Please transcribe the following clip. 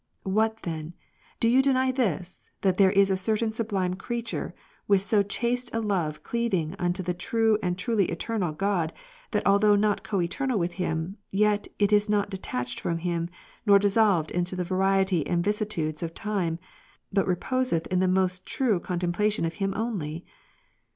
" What then ? do you deny this, that there is a certain sublime creature, with so chaste a love cleaving unto the true and truly eternal God, that although not coeternal with Him, yet is it not detached from Him, nor dissolved into the variety and vicissitude of times, but reposeth in the most true con templation of Him only?"